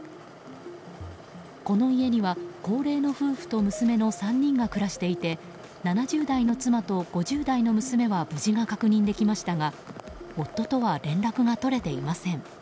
この家には高齢の夫婦と娘の３人が暮らしていて７０代の妻と５０代の娘は無事が確認できましたが夫とは連絡が取れていません。